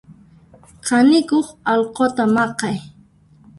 Kanikuq alquta maqay.